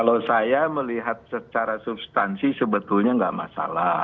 kalau saya melihat secara substansi sebetulnya nggak masalah